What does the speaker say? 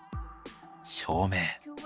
照明。